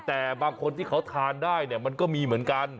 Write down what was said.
แต่บางคนที่เขาทานได้เนี่ยมันก็มีเหมือนกัน